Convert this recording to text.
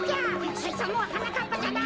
そいつはもうはなかっぱじゃない。